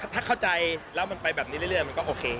ถ้าเข้าใจแล้วมันไปแบบนี้เรื่อยมันก็โอเค